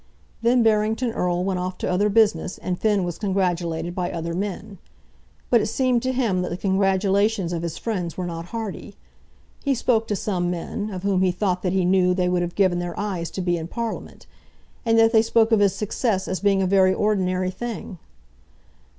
Then Barrington Erle went off to other business, and Finn was congratulated by other men. But it seemed to him that the congratulations of his friends were not hearty. He spoke to some men, of whom he thought that he knew they would have given their eyes to be in Parliament; and yet they spoke of his success as being a very ordinary thing.